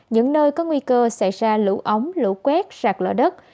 những nơi có nguy cơ xảy ra lũ ống lũ quét sạt lở đất